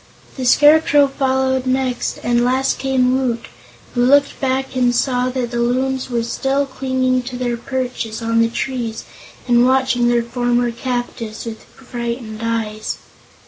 The Scarecrow followed next and last came Woot, who looked back and saw that the Loons were still clinging to their perches on the trees and watching their former captives with frightened eyes.